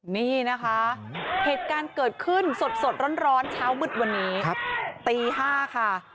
นี่นะคะเหตุการณ์เกิดขึ้นสดร้อนเช้ามืดวันนี้ตี๕ค่ะ